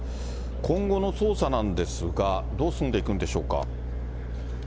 今後の捜査なんですが、どう進んでいくんでしょうか。